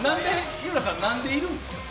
井浦さん、なんでいるんですか？